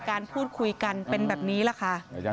การพูดคุยกันเป็นแบบนี้แหละค่ะ